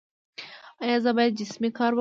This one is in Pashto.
ایا زه باید جسمي کار وکړم؟